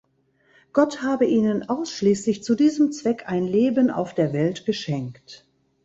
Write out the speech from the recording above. Gott habe ihnen ausschließlich zu diesem Zweck ein Leben auf der Welt geschenkt.